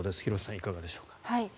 廣瀬さん、いかがでしょうか。